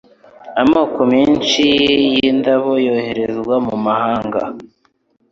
amoko menshi y'indabo yoherezwa m' amahanga